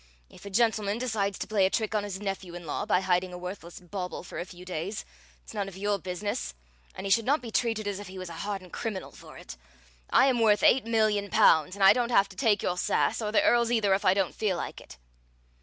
If a gentleman decides to play a trick on his nephew in law by hiding a worthless bauble for a few days, it's none of your business, and he should not be treated as if he was a hardened criminal for it. I am worth eight million pounds, and I don't have to take your sass, or the Earl's either, if I don't feel like it."